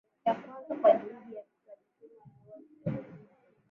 ya kwanza Kwa juhudi za Mitume waliowahi kuchaguliwa